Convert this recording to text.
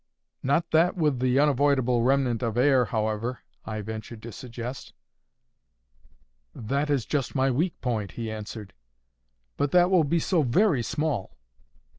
"Not that with the unavoidable remnant of air, however," I ventured to suggest. "That is just my weak point," he answered. "But that will be so very small!"